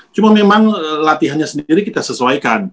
cuma memang latihannya sendiri kita sesuaikan